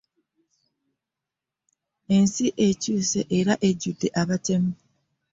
Ensi ekyuse era ejjudde abatemu